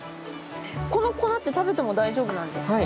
この粉って食べても大丈夫なんですか？